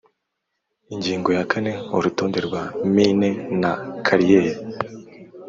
Ingingo ya kane Urutonde rwa mine na kariyeri